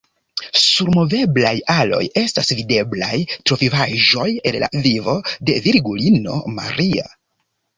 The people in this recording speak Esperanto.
Sur moveblaj aloj estas videblaj travivaĵoj el la vivo de Virgulino Maria.